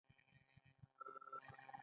ګیلاس د نیکه د ماښام چایو دی.